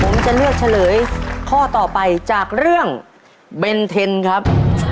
ผมจะเลือกเฉลยข้อต่อไปจากเรื่องเบนเทนครับ